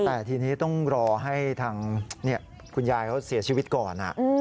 แต่ทีนี้ต้องรอให้ทางคุณยายเขาเสียชีวิตก่อน